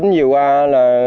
vì qua là